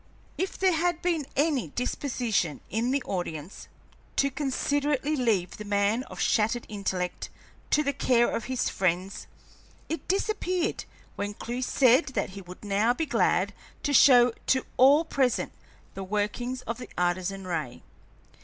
If there had been any disposition in the audience to considerately leave the man of shattered intellect to the care of his friends, it disappeared when Clewe said that he would now be glad to show to all present the workings of the Artesian ray.